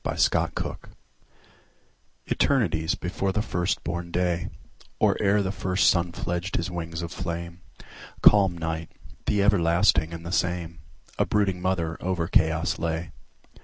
Mother Night ETERNITIES before the first born day, Or ere the first sun fledged his wings of flame, Calm Night, the everlasting and the same,A brooding mother over chaos lay.